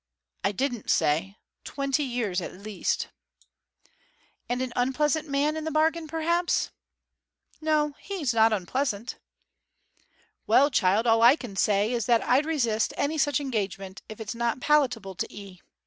'I didn't say. Twenty years at least.' 'And an unpleasant man in the bargain perhaps?' 'No he's not unpleasant.' 'Well, child, all I can say is that I'd resist any such engagement if it's not palatable to 'ee.